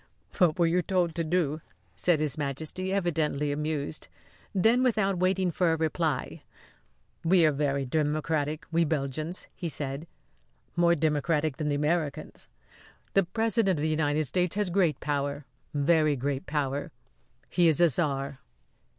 "What were you told to do?" said His Majesty, evidently amused. Then, without waiting for a reply; "We are very democratic we Belgians," he said. "More democratic than the Americans. The President of the United States has great power very great power. He is a czar."